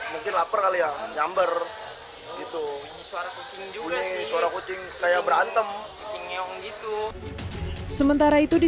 mungkin lapar kali yang nyamber itu suara kucing kayak berantem itu sementara itu di